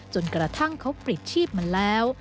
จนกระทั่งเขาปลิดชีพมาแล้ว